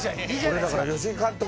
俺だから吉井監督